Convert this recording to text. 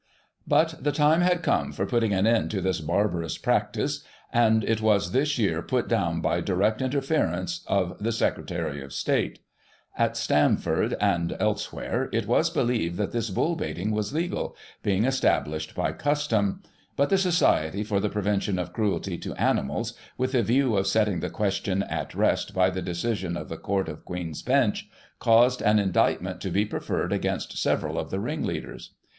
But the time had come for putting an end to this barbarous practice, and it was this year put down by direct interference of the Secretary of State. At Stamford, and elsewhere, it was believed that this bull baiting was legal, being established by custom ; but the Society for the Prevention of Cruelty to Animals, with a view of setting the question at rest by the decision of the Court of Queen's Bench, caused an indictment to be preferred against several of the ringleaders.